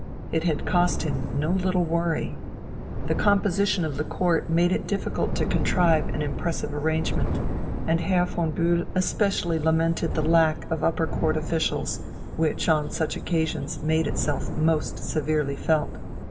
It had cost him no little worry. The composition of the Court made it difficult to contrive an impressive arrangement, and Herr von Bühl especially lamented the lack of upper Court officials, which on such occasions made itself most severely felt.